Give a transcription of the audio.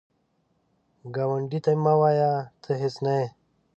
ګاونډي ته مه وایه “ته هیڅ نه یې”